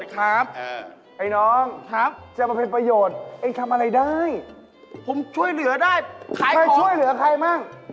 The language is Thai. ขายของขายช่วยเหลือใครมั่ง